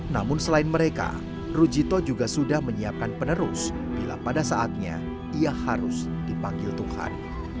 namun selain mereka rujito juga sudah menyiapkan penerus bila pada saatnya ia harus dipanggil tuhan